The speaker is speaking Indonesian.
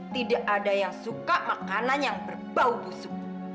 tidak ada yang suka makanan yang berbau busuk